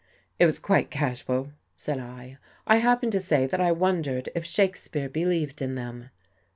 "" It was quite casual," said I. " I happened to say that I wondered if Shakespeare believed in them."